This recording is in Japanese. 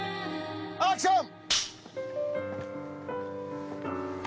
アクション！